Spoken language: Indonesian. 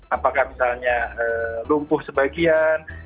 apakah misalnya lumpuh sebagian